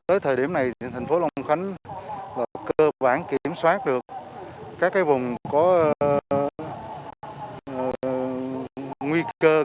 tới thời điểm này thành phố long khánh là cơ bản kiểm soát được các vùng có nguy cơ